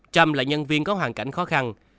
trâm là nhân viên có hoàn cảnh khó khăn